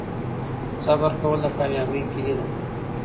صبر کول د کامیابۍ کیلي ده.